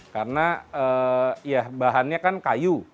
karena bahannya kan kayu